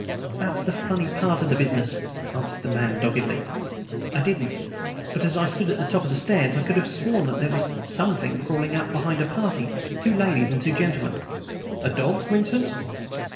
"That's the funny part of the business," answered the man doggedly. "I didn't! But as I stood at the top of the stairs I could have sworn that there was something crawling up behind a party two ladies and two gentlemen." "A dog, for instance?"